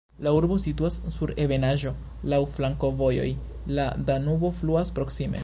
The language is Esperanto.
La urbo situas sur ebenaĵo, laŭ flankovojoj, la Danubo fluas proksime.